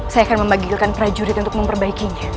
saya akan membagikan prajurit untuk memperbaikinya